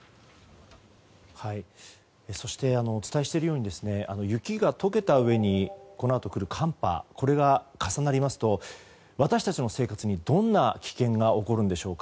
そしてお伝えしていますように雪が解けたうえにこのあと来る寒波が重なりますと私たちの生活にどんな危険が起こるんでしょうか。